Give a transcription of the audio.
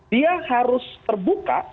dia harus terbuka